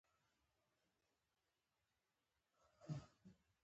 ښځي د قرباني په توګه وړاندي کيدي.